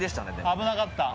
危なかった。